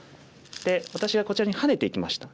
で私はこちらにハネていきました。